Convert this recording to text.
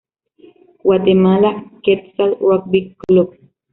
Guatemala Quetzal Rugby Club